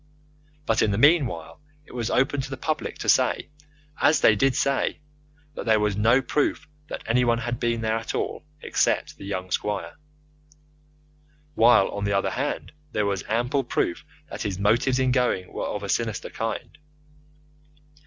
But in the meanwhile it was open to the public to say as they did say that there was no proof that anyone had been there at all except the young squire; while, on the other hand, there was ample proof that his motives in going were of a sinister kind.